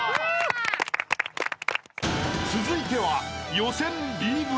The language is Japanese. ［続いては］